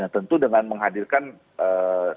tentu dengan menghadirkan sistem pendidikan yang lebih